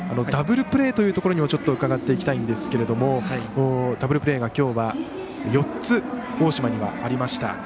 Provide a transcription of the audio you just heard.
ダブルプレーというところも伺っていきたいんですけどもダブルプレーが、きょうは４つ大島にはありました。